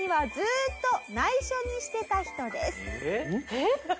えっ？